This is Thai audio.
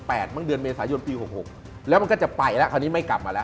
มั้งเดือนเมษายนปีหกหกแล้วมันก็จะไปแล้วคราวนี้ไม่กลับมาแล้ว